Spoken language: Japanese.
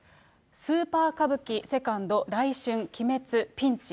スーパー歌舞伎セカンド、来春、鬼滅ピンチ。